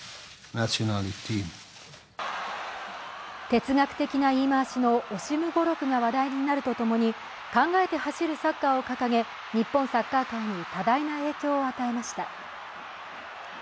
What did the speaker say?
哲学的言い回しのオシム語録が話題になるとともに、考えて走るサッカーを掲げ日本サッカー界に多大な影響を与えました。